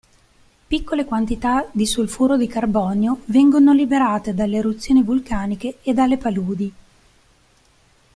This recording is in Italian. Piccole quantità di solfuro di carbonio vengono liberate dalle eruzioni vulcaniche e dalle paludi.